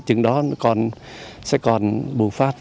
chừng đó nó sẽ còn bùng phát